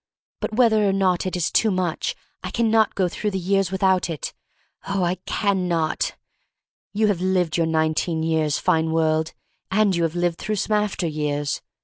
But whether or not it is too much I can not go through the years without it — oh, I can not! You have lived your nineteen years, fine world, and you have lived through some after years.